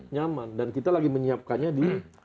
nyaman dan kita lagi menyiapkannya di